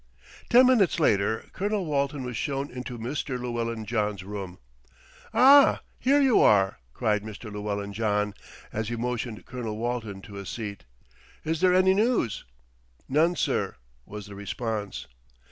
Ten minutes later Colonel Walton was shown into Mr. Llewellyn John's room. "Ah! here you are," cried Mr. Llewellyn John, as he motioned Colonel Walton to a seat. "Is there any news?" "None, sir," was the response.